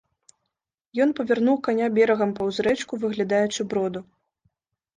Ён павярнуў каня берагам паўз рэчку, выглядаючы броду.